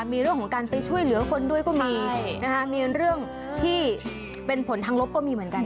มีเรื่องของการไปช่วยเหลือคนด้วยก็มีนะคะมีเรื่องที่เป็นผลทางลบก็มีเหมือนกัน